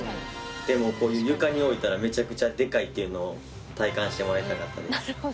でもこういう床に置いたらめちゃくちゃでかいというのを体感してもらいたかったです。